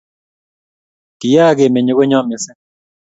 Kiya kemeny konyo mising